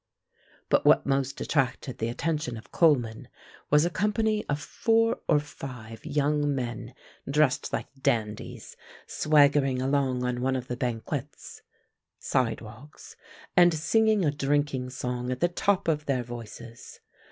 But what most attracted the attention of Coleman was a company of four or five young men dressed like dandies, swaggering along on one of the banquettes (sidewalks) and singing a drinking song at the top of their voices.